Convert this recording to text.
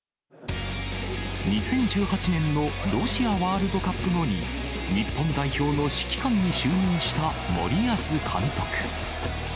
２０１８年のロシアワールドカップ後に、日本代表の指揮官に就任した森保監督。